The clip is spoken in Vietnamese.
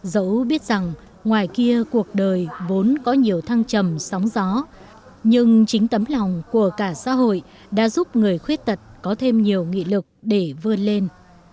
dẫu biết rằng ngoài kia cuộc đời vốn có nhiều thăng trầm sóng gió nhưng chính tấm lòng của cả xã hội đã giúp người khuyết tật có thêm nhiều nghị lực để vươn lên